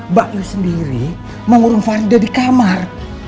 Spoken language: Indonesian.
mbak yu sendiri mengurung farida di kamar